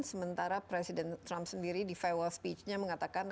sementara presiden trump sendiri di fawall speech nya mengatakan